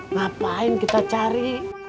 ngapain kita cari